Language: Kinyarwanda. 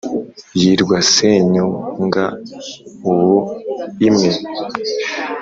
y i r w a senyu nga-ubuìnwe.